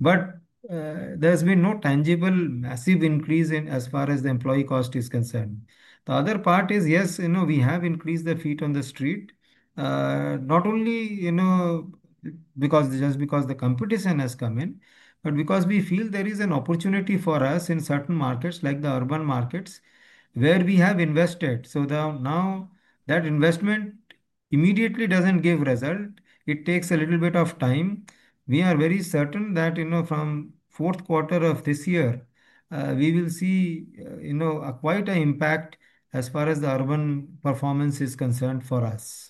Speaker 2: There's been no tangible massive increase in as far as the employee cost is concerned. The other part is, yes, you know, we have increased the feet on the street, not only, you know, just because the competition has come in, but because we feel there is an opportunity for us in certain markets, like the urban markets, where we have invested. Now that investment immediately doesn't give result. It takes a little bit of time. We are very certain that, you know, from the fourth quarter of this year, we will see, you know, quite an impact as far as the urban performance is concerned for us.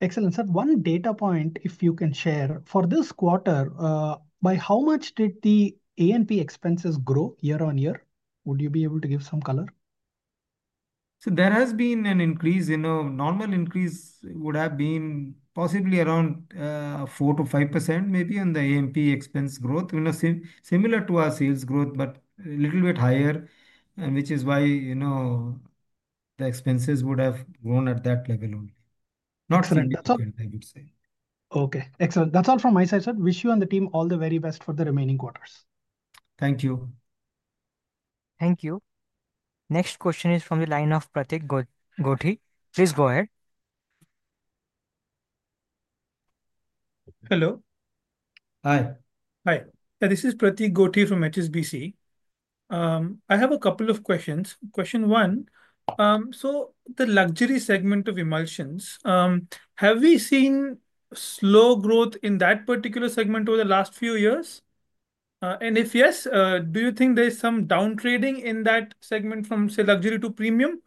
Speaker 8: Excellent. Sir, one data point, if you can share, for this quarter, by how much did the A&P expenses grow year on year? Would you be able to give some color?
Speaker 2: There has been an increase. Normal increase would have been possibly around 4%-5% maybe on the A&P expense growth, similar to our sales growth, but a little bit higher, which is why the expenses would have grown at that level only. Not significant, I would say.
Speaker 8: Okay. Excellent. That's all from my side, sir. Wish you and the team all the very best for the remaining quarters.
Speaker 2: Thank you.
Speaker 3: Thank you. Next question is from the line of Pratik Gothi. Please go ahead.
Speaker 9: Hello?
Speaker 2: Hi.
Speaker 9: Hi. Yeah, this is Pratik Gothi from HSBC. I have a couple of questions. Question one, the luxury segment of emulsions, have we seen slow growth in that particular segment over the last few years? If yes, do you think there's some downtrending in that segment from, say, luxury to premium?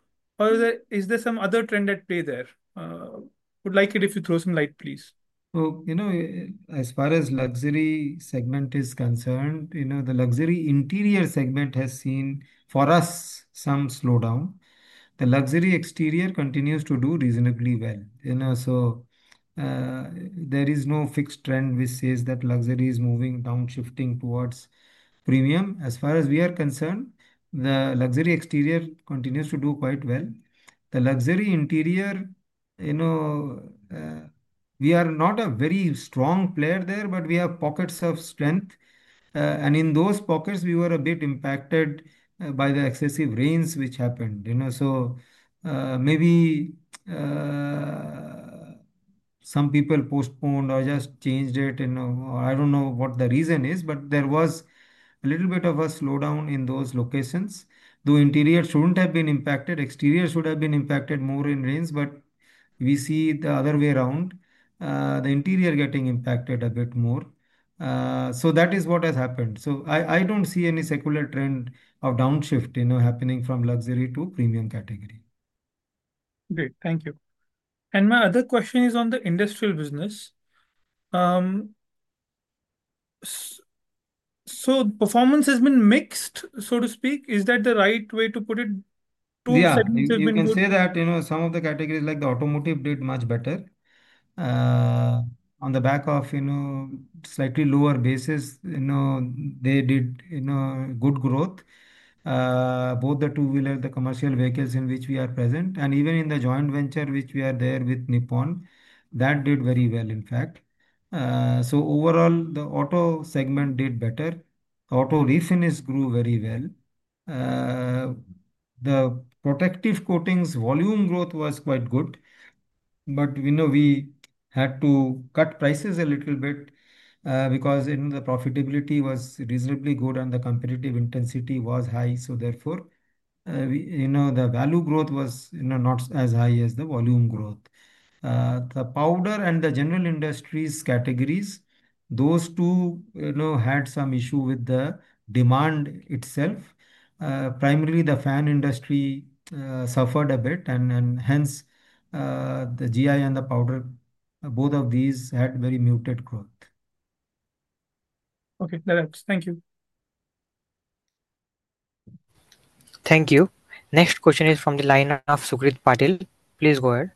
Speaker 9: Is there some other trend at play there? I would like it if you throw some light, please.
Speaker 2: As far as the luxury segment is concerned, the luxury interior segment has seen, for us, some slowdown. The luxury exterior continues to do reasonably well, so there is no fixed trend which says that luxury is moving down, shifting towards premium. As far as we are concerned, the luxury exterior continues to do quite well. The luxury interior, we are not a very strong player there, but we have pockets of strength. In those pockets, we were a bit impacted by the excessive rains which happened. Maybe some people postponed or just changed it. I don't know what the reason is, but there was a little bit of a slowdown in those locations. Though interior shouldn't have been impacted, exterior should have been impacted more in rains, but we see the other way around, the interior getting impacted a bit more. That is what has happened. I don't see any secular trend of downshift happening from luxury to premium category.
Speaker 9: Great. Thank you. My other question is on the industrial business. Performance has been mixed, so to speak. Is that the right way to put it?
Speaker 2: Yes.
Speaker 9: Two segments have been good?
Speaker 2: You can say that some of the categories like the automotive did much better. On the back of slightly lower basis, they did good growth. Both the two-wheeler, the commercial vehicles in which we are present, and even in the joint venture which we are there with Nippon, that did very well, in fact. Overall, the auto segment did better. Auto refinish grew very well. The protective coatings' volume growth was quite good. We had to cut prices a little bit because the profitability was reasonably good and the competitive intensity was high. Therefore, the value growth was not as high as the volume growth. The powder and the general industries categories, those two had some issue with the demand itself. Primarily, the fan industry suffered a bit, and hence, the GI and the powder, both of these had very muted growth.
Speaker 9: Okay, thanks. Thank you.
Speaker 3: Thank you. Next question is from the line of Suprit Patel. Please go ahead.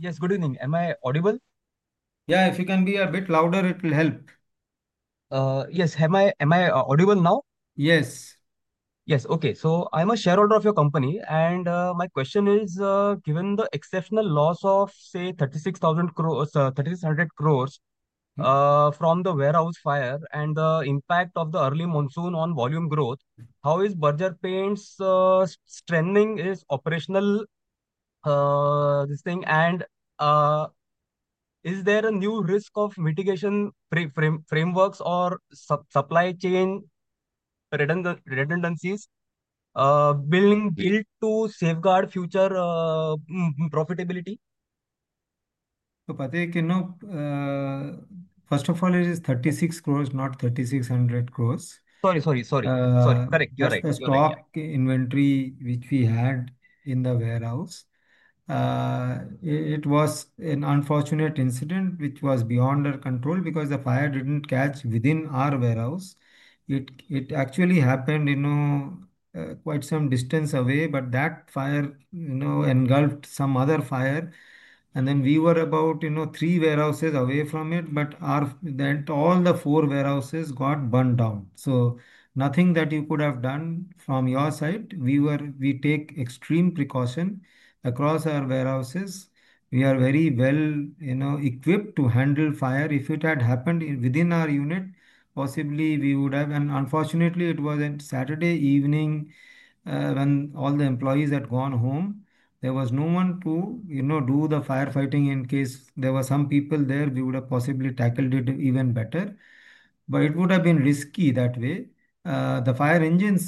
Speaker 3: Yes, good evening. Am I audible?
Speaker 2: Yeah, if you can be a bit louder, it will help. Yes, am I audible now? Yes. Yes. Okay. I'm a shareholder of your company. My question is, given the exceptional loss of 36,000 crore from the warehouse fire and the impact of the early monsoon on volume growth, how is Berger Paints strengthening its operational this thing? Is there a new risk of mitigation frameworks or supply chain redundancies building to safeguard future profitability? Patel, first of all, it is 36 crore, not 3,600 crore. Sorry. Correct. You're right. Stock inventory which we had in the warehouse, it was an unfortunate incident which was beyond our control because the fire didn't catch within our warehouse. It actually happened quite some distance away, but that fire engulfed some other fire. We were about three warehouses away from it, but then all the four warehouses got burned down. Nothing that you could have done from your side. We take extreme precaution across our warehouses. We are very well equipped to handle fire. If it had happened within our unit, possibly we would have, and unfortunately, it was a Saturday evening when all the employees had gone home. There was no one to do the firefighting in case. If there were some people there, we would have possibly tackled it even better. It would have been risky that way. The fire engines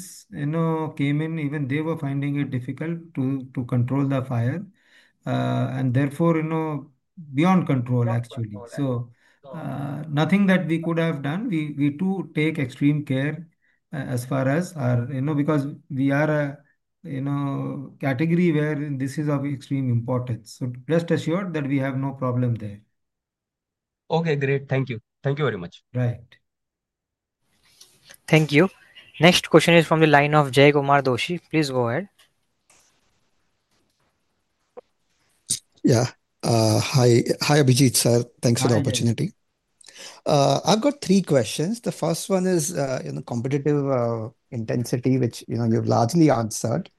Speaker 2: came in. Even they were finding it difficult to control the fire. Therefore, beyond control, actually. Nothing that we could have done. We do take extreme care as far as our, you know, because we are a category where this is of extreme importance. Rest assured that we have no problem there. Okay, great. Thank you. Thank you very much. Right.
Speaker 3: Thank you. Next question is from the line of Jaykumar Doshi. Please go ahead.
Speaker 10: Yeah. Hi, Abhijit sir. Thanks for the opportunity. I've got three questions. The first one is, you know, competitive intensity, which you've largely answered.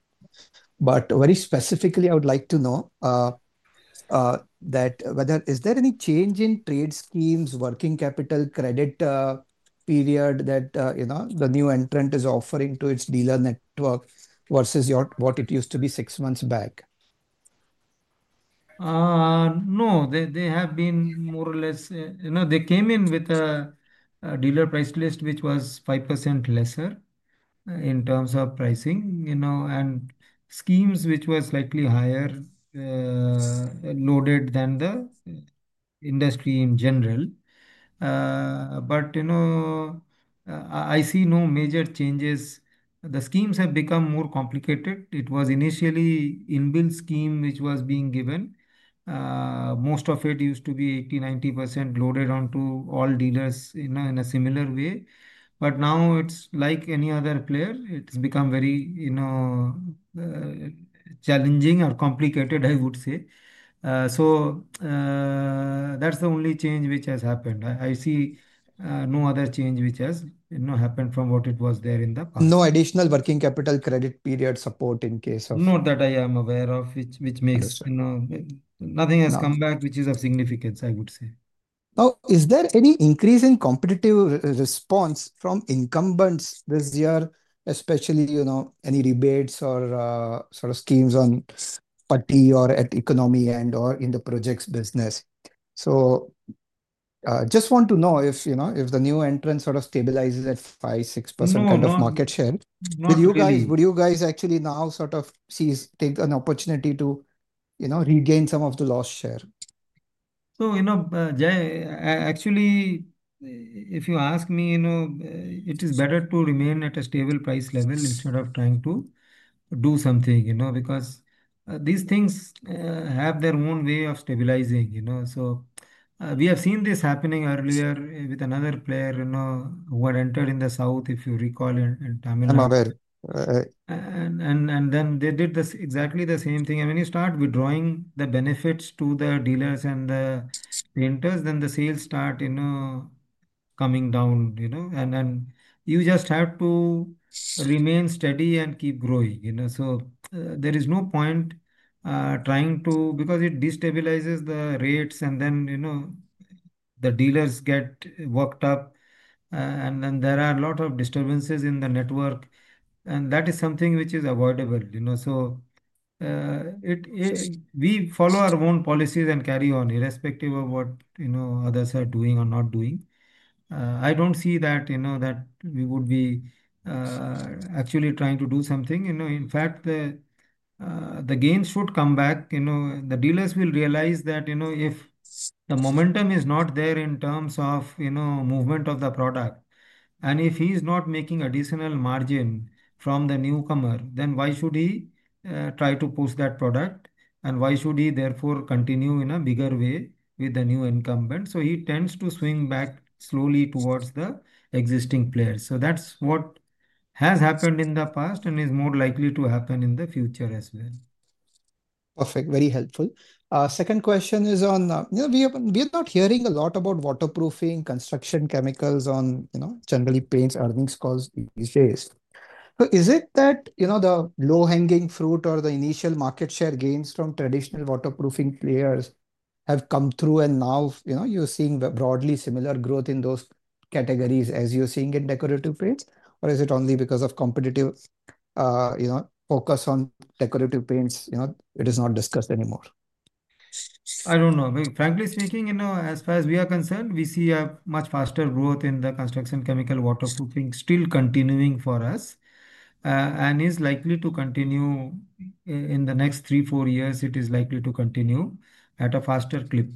Speaker 10: Very specifically, I would like to know whether is there any change in trade schemes, working capital, credit period that, you know, the new entrant is offering to its dealer network versus what it used to be six months back?
Speaker 2: No, they have been more or less, you know, they came in with a dealer price list which was 5% lesser in terms of pricing, you know, and schemes which were slightly higher loaded than the industry in general. I see no major changes. The schemes have become more complicated. It was initially an in-build scheme which was being given. Most of it used to be 80%, 90% loaded onto all dealers, you know, in a similar way. Now it's like any other player. It's become very, you know, challenging or complicated, I would say. That's the only change which has happened. I see no other change which has, you know, happened from what it was there in the past.
Speaker 10: No additional working capital credit period support in case of.
Speaker 2: Not that I am aware of, which makes nothing has come back which is of significance, I would say.
Speaker 10: Is there any increase in competitive response from incumbents this year, especially any rebates or sort of schemes on Pati or at Economy and/or in the projects business? I just want to know if the new entrant sort of stabilizes at 5% or 6% kind of market share, would you guys actually now take an opportunity to regain some of the lost share?
Speaker 2: Actually, if you ask me, it is better to remain at a stable price level instead of trying to do something, because these things have their own way of stabilizing. We have seen this happening earlier with another player who had entered in the south, if you recall.
Speaker 10: I'm aware.
Speaker 2: They did exactly the same thing. When you start withdrawing the benefits to the dealers and the painters, the sales start coming down. You just have to remain steady and keep growing. There is no point trying to, because it destabilizes the rates, and the dealers get worked up. There are a lot of disturbances in the network. That is something which is avoidable. We follow our own policies and carry on irrespective of what others are doing or not doing. I don't see that we would be actually trying to do something. In fact, the gains should come back. The dealers will realize that if the momentum is not there in terms of movement of the product, and if he's not making additional margin from the newcomer, then why should he try to push that product? Why should he, therefore, continue in a bigger way with the new incumbent? He tends to swing back slowly towards the existing players. That's what has happened in the past and is more likely to happen in the future as well.
Speaker 10: Perfect. Very helpful. Second question is on, you know, we are not hearing a lot about waterproofing, construction chemicals on, you know, generally paints earnings calls these days. Is it that, you know, the low-hanging fruit or the initial market share gains from traditional waterproofing players have come through and now, you know, you're seeing broadly similar growth in those categories as you're seeing in decorative paints? Is it only because of competitive, you know, focus on decorative paints, you know, it is not discussed anymore?
Speaker 2: Frankly speaking, as far as we are concerned, we see a much faster growth in the construction chemicals waterproofing still continuing for us and is likely to continue in the next three, four years. It is likely to continue at a faster clip.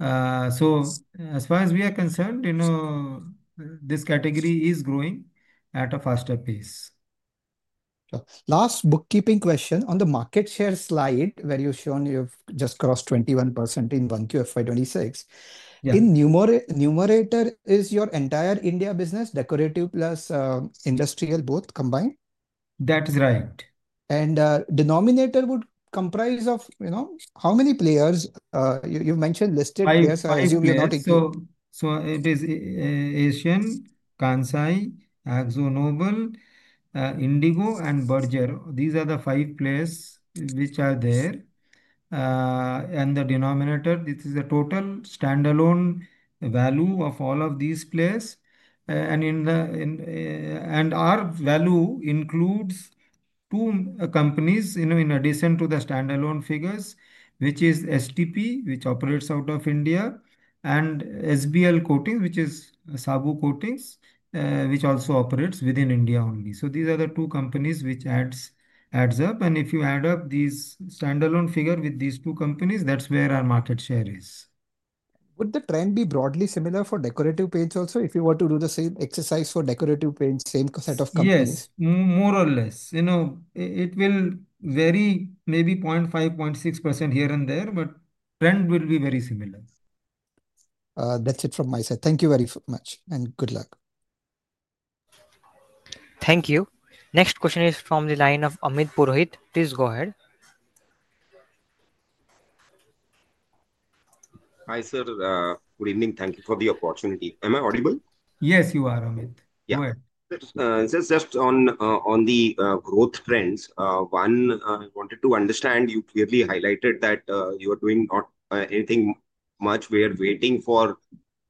Speaker 2: As far as we are concerned, this category is growing at a faster pace.
Speaker 10: Last bookkeeping question on the market share slide where you've shown you've just crossed 21% in 1Q FY2026. In numerator, is your entire India business decorative plus industrial both combined?
Speaker 2: That's right.
Speaker 10: The denominator would comprise of, you know, how many players you mentioned listed?
Speaker 2: Five players.
Speaker 10: I assume you're not included.
Speaker 2: Asian, Kansai, Akzo Nobel, Indigo, and Berger. These are the five players which are there. The denominator, this is the total standalone value of all of these players. Our value includes two companies, you know, in addition to the standalone figures, which is STP, which operates out of India, and SBL Coatings, which is Saboo Coating, which also operates within India only. These are the two companies which add up. If you add up these standalone figures with these two companies, that's where our market share is.
Speaker 10: Would the trend be broadly similar for decorative paints also if you were to do the same exercise for decorative paints, same set of companies?
Speaker 2: Yes, more or less. It will vary maybe 0.5%, 0.6% here and there, but the trend will be very similar.
Speaker 10: That's it from my side. Thank you very much and good luck.
Speaker 3: Thank you. Next question is from the line of Amit Purohit. Please go ahead.
Speaker 11: Hi, sir. Good evening. Thank you for the opportunity. Am I audible?
Speaker 2: Yes, you are, Amit.
Speaker 11: Yeah.
Speaker 2: Go ahead.
Speaker 11: It's just on the growth trends. One, I wanted to understand. You clearly highlighted that you are not doing anything much. We are waiting for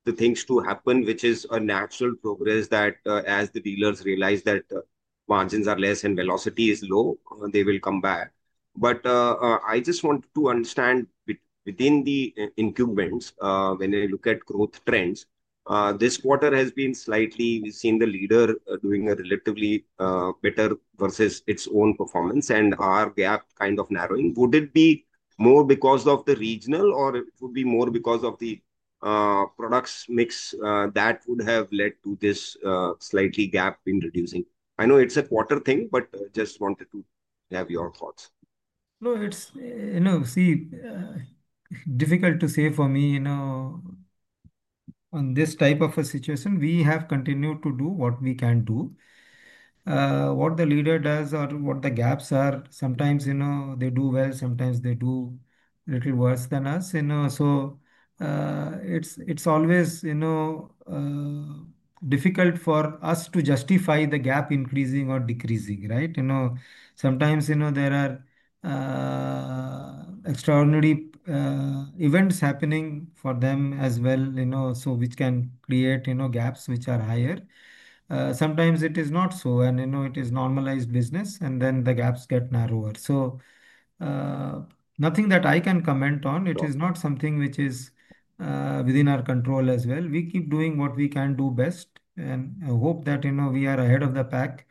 Speaker 11: the things to happen, which is a natural progress that as the dealers realize that margins are less and velocity is low, they will come back. I just want to understand within the incumbents, when they look at growth trends, this quarter has been slightly, we've seen the leader doing relatively better versus its own performance and our gap kind of narrowing. Would it be more because of the regional or would it be more because of the product mix that would have led to this slight gap in reducing? I know it's a quarter thing, just wanted to have your thoughts.
Speaker 2: It's difficult to say for me on this type of a situation. We have continued to do what we can do. What the leader does or what the gaps are, sometimes they do well, sometimes they do a little worse than us. It's always difficult for us to justify the gap increasing or decreasing, right? Sometimes there are extraordinary events happening for them as well, which can create gaps which are higher. Sometimes it is not so, and it is normalized business, and then the gaps get narrower. Nothing that I can comment on. It is not something which is within our control as well. We keep doing what we can do best, and I hope that we are ahead of the pack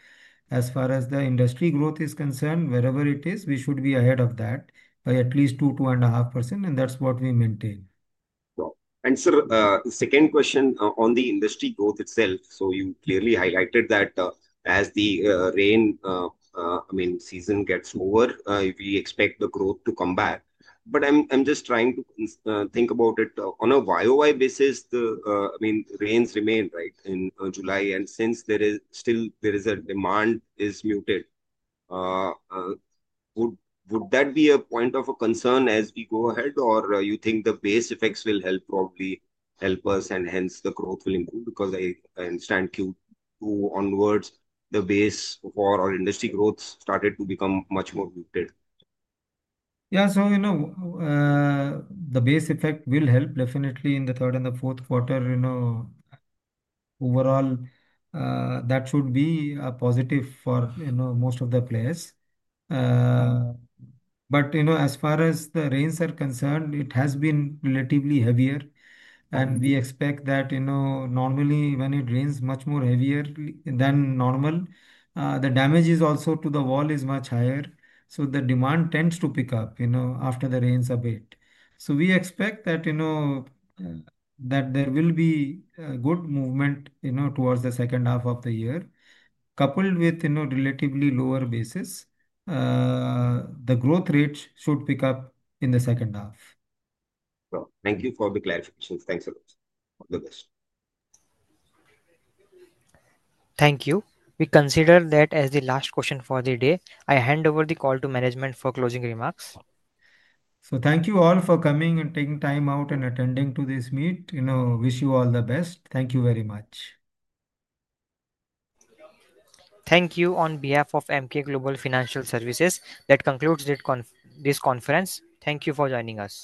Speaker 2: as far as the industry growth is concerned. Wherever it is, we should be ahead of that by at least 2%, 2.5%, and that's what we maintain.
Speaker 11: Right. Sir, second question on the industry growth itself. You clearly highlighted that as the rain season gets over, we expect the growth to come back. I'm just trying to think about it on a YOY basis. Rains remain, right, in July, and since there is still, there is a demand that is muted. Would that be a point of concern as we go ahead, or you think the base effects will probably help us and hence the growth will improve? I understand Q2 onwards, the base for our industry growth started to become much more muted.
Speaker 2: Yeah, the base effect will help definitely in the third and the fourth quarter. Overall, that should be a positive for most of the players. As far as the rains are concerned, it has been relatively heavier, and we expect that normally when it rains much more heavier than normal, the damages also to the wall are much higher. The demand tends to pick up after the rains abate. We expect that there will be a good movement towards the second half of the year, coupled with relatively lower bases. The growth rates should pick up in the second half.
Speaker 11: Thank you for the clarification. Thanks a lot.
Speaker 2: Thank you.
Speaker 3: Thank you. We consider that as the last question for the day. I hand over the call to management for closing remarks.
Speaker 2: Thank you all for coming and taking time out and attending to this meet. Wish you all the best. Thank you very much.
Speaker 3: Thank you on behalf of Emkay Global. That concludes this conference. Thank you for joining us.